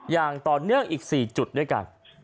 อย่างต่อเนื่องอีก๔จุดด้วยกัน